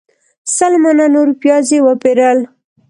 سل منه نور پیاز یې وپیرل.